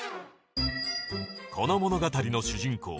この物語の主人公桜木舜